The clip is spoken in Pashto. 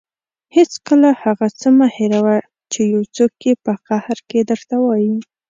هېڅکله هغه څه مه هېروه چې یو څوک یې په قهر کې درته وايي.